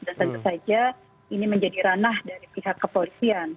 dan tentu saja ini menjadi ranah dari pihak kepolisian